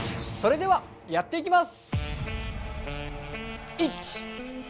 それではやっていきます！